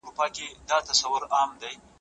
قانون پوهان وایي چي د ژوند حق بنسټیز دی.